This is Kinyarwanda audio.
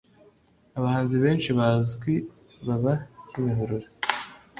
abahanzi benshi bazwi baba kimihurura